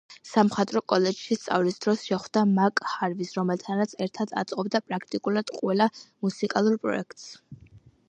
სამხატვრო კოლეჯში სწავლის დროს შეხვდა მიკ ჰარვის, რომელთანაც ერთად აწყობდა პრაქტიკულად ყველა მუსიკალურ პროექტს.